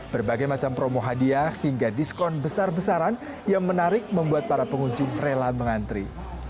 berbagai macam promo hadiah hingga diskon besar besaran yang menarik membuat para pengunjung rela mengantri